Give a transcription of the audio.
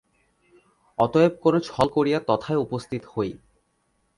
অতএব কোন ছল করিয়া তথায় উপস্থিত হই।